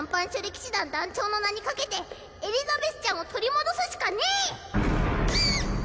騎士団団長の名に懸けてエリザベスちゃんを取り戻すしかねぇ！